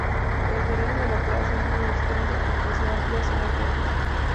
El terreno de la plaza es muy extenso y posee amplias zonas verdes.